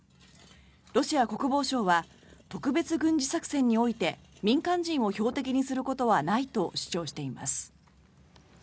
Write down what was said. ロシア国防省は特別軍事作戦において民間人を標的にすることはないと主張しています。